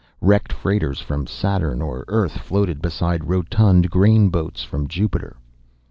Wrecked freighters from Saturn or Earth floated beside rotund grain boats from Jupiter.